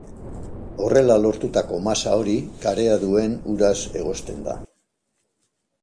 Horrela lortutako masa hori karea duen uraz egozten da.